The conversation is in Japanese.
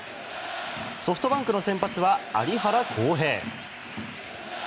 ソフトバンクの先発は有原航平。